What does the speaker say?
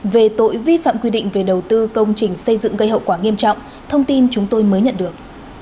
về tội vi phạm quy định về đầu tư công trình xây dựng gây hậu quả nghiêm trọng thông tin chúng tôi mới nhận được